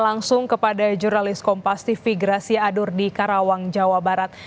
langsung kepada jurnalis kompas tv gracia adur di karawang jawa barat